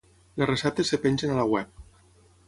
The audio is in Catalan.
les receptes es pengen a la web